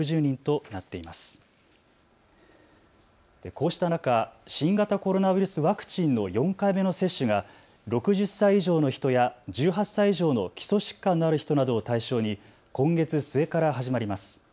こうした中、新型コロナウイルスワクチンの４回目の接種が６０歳以上の人や１８歳以上の基礎疾患のある人などを対象に今月末から始まります。